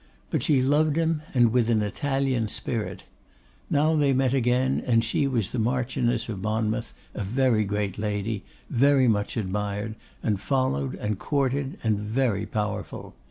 But she loved him; and with an Italian spirit. Now they met again, and she was the Marchioness of Monmouth, a very great lady, very much admired, and followed, and courted, and very powerful.